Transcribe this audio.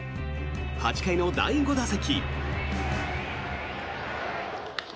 ８回の第５打席。